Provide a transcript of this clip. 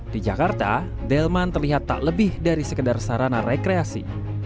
di jakarta delman terlihat tak lebih dari sekedar sarana rekreasi